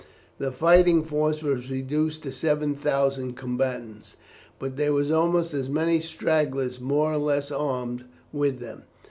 The fighting force was reduced to 7000 combatants, but there were almost as many stragglers, more or less armed, with them.